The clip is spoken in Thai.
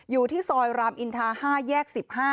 อยู่ที่ซอยรามอินทา๕แยก๑๕